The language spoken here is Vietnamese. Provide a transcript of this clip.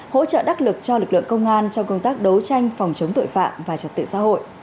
hỗ trợ đắc lực cho lực lượng công an trong công tác đấu tranh phòng chống tội phạm và trật tự xã hội